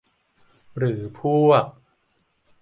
หรือพวก